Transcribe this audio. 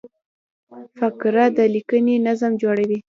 فقره د لیکني نظم جوړوي.